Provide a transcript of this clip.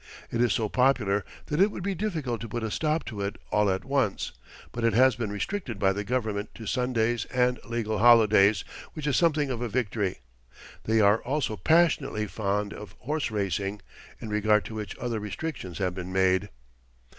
It is so popular that it would be difficult to put a stop to it all at once, but it has been restricted by the government to Sundays and legal holidays, which is something of a victory. (They are also passionately fond of horse racing, in regard to which other restrictions have been made.)